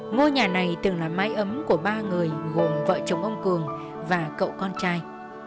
ngôi nhà này từng là mái ấm của ba người gồm vợ chồng ông cường và cậu con trai